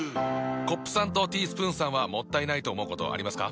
コップさんとティースプーンさんはもったいないと思うことありますか？